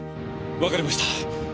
わかりました。